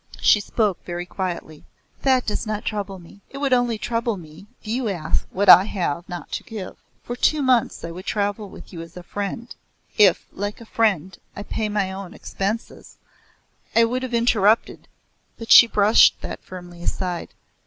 She spoke very quietly. "That does not trouble me. It would only trouble me if you asked what I have not to give. For two months I would travel with you as a friend, if, like a friend, I paid my own expenses " I would have interrupted, but she brushed that firmly aside.